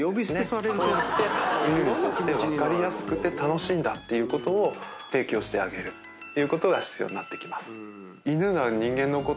そうやって犬にとって分かりやすくて楽しいんだっていうことを提供してあげるっていうことが必要になってきます。